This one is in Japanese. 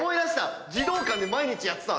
児童館で毎日やってたわ。